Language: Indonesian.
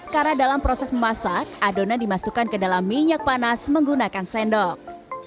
karena dalam proses memasak adonan dimasukkan ke dalam minyak panas menggunakan sendok